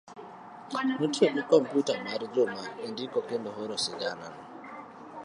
ne otiyo gi kompyuta mar Juma e ndiko kendo oro siganano.